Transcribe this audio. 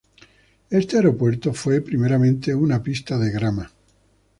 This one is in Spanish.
Este aeropuerto fue primeramente una pista de grama.